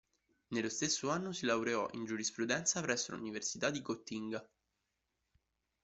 Nello stesso anno si laureò in giurisprudenza presso l'Università di Gottinga.